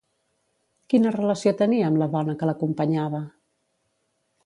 Quina relació tenia amb la dona que l'acompanyava?